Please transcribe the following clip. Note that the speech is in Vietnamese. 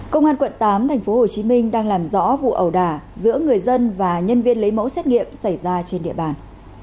công an quận tám tp hcm đang làm rõ vụ ẩu đả giữa người dân và nhân viên lấy mẫu xét nghiệm xảy ra trên địa bàn